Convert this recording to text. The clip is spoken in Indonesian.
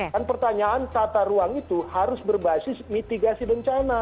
dan pertanyaan tata ruang itu harus berbasis mitigasi bencana